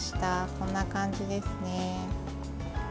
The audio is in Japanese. こんな感じですね。